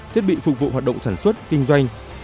thiết bị phục vụ hoạt động sản xuất kinh doanh